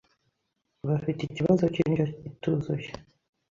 bafite ikibazo cy’indyo ituzuye